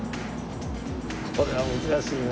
これは難しいな。